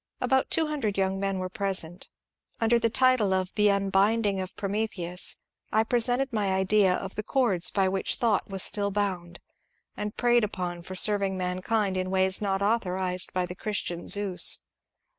About two hundred young men were present. Under title of '^ The Unbinding of Prometheus," I presented my idea of the cords by which Thought was still bound and preyed upon for serving mankind in ways not authorized by the Christian Zeus.